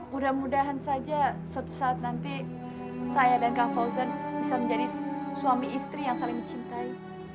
mudah mudahan saja suatu saat nanti saya dan kang fauzan bisa menjadi suami istri yang saling mencintai